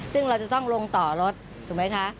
ซึ่งเราจะต้องลงต่อรถถูกไหมคะ